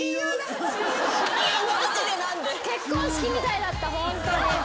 結婚式みたいだったホントに。